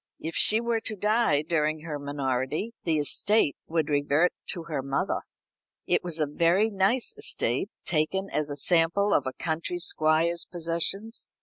If she were to die during her minority the estate would revert to her mother. It was a very nice estate, taken as a sample of a country squire's possessions.